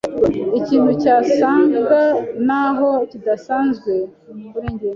Ikintu cyasaga naho kidasanzwe kuri njye.